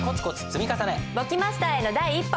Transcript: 簿記マスターへの第一歩。